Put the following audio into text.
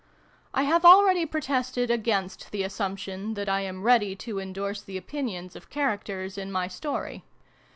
I have already protested against the assumption that I am ready to endorse the opinions of characters in my story.